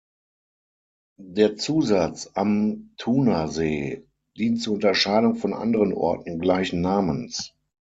Der Zusatz «am Thunersee» dient zur Unterscheidung von anderen Orten gleichen Namens.